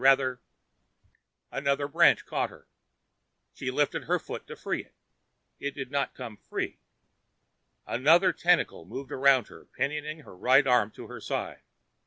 Another branch caught her. She lifted her foot to free it. It did not come free. Another tentacle moved around her, pinioning her right arm to her side.